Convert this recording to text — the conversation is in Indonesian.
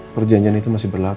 perjanjian itu masih berlaku